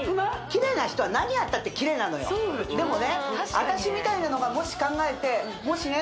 キレイな人は何やったってキレイなのよでもね私みたいなのがもし考えてもしね